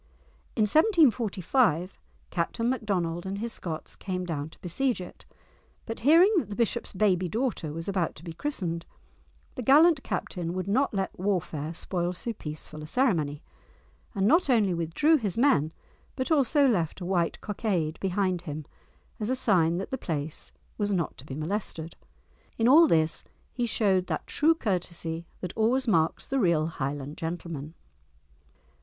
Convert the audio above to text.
In 1745 Captain Macdonald and his Scots came down to besiege it, but hearing that the bishop's baby daughter was about to be christened, the gallant captain would not let warfare spoil so peaceful a ceremony, and not only withdrew his men, but also left a white cockade behind him as a sign that the place was not to be molested. In all this he showed that true courtesy that always marks the real Highland gentleman.